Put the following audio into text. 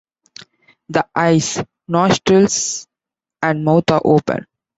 The eyes, nostrils and mouth are open.